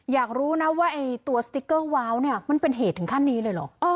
อยากรู้นะว่าไอ้ตัวสติ๊กเกอร์ว้าวเนี่ยมันเป็นเหตุถึงขั้นนี้เลยเหรอ